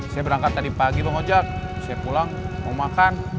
saya berangkat tadi pagi mau ngajak saya pulang mau makan